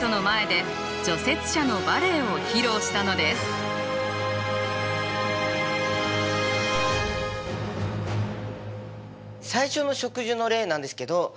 最初の植樹の例なんですけどはいこちら。